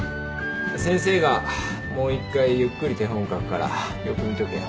先生がもう一回ゆっくり手本を書くからよく見とけよ。